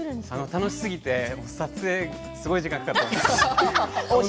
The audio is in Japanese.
楽しすぎて撮影にものすごい時間がかかっています。